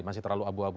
masih terlalu abu abu